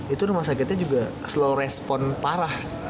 itu rumah sakitnya juga slow respon parah